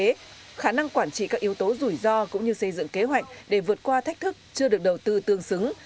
vì thế khả năng quản trị các yếu tố rủi ro cũng như xây dựng kế hoạch để vượt qua thách thức chưa được đầu tư tương xứng